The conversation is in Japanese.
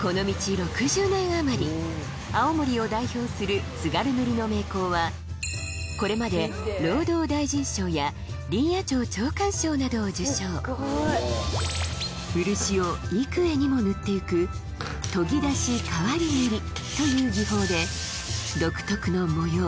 ６０年あまり青森を代表する津軽塗の名工はこれまで労働大臣賞や林野庁長官賞などを受賞漆を幾重にも塗っていく「研ぎ出し変わり塗り」という技法で独特の模様